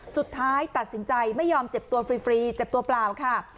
สุดท้ายตัดสินใจไม่ยอมเจ็บตัวฟรีเจ็บตัวเปล่าค่ะ